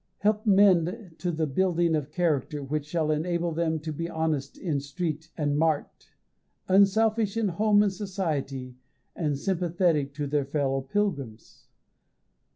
Help men to the building of character, which shall enable them to be honest in street and mart, unselfish in home and society, and sympathetic to their fellow pilgrims.